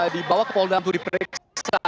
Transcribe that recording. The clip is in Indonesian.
dibawa ke polda untuk diperiksa